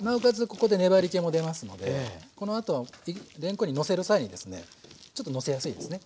ここで粘りけも出ますのでこのあとれんこんにのせる際にですねちょっとのせやすいですね